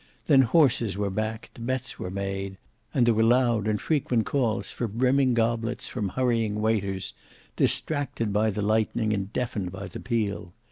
Then horses were backed, bets made, and there were loud and frequent calls for brimming goblets from hurrying waiters, distracted by the lightning and deafened by the peal.